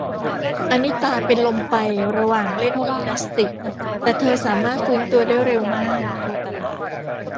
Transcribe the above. อะนิตาเป็นลมไประหว่างเล่นยิมนาสติก แต่เธอสามารถฟื้นตัวได้เร็วมาก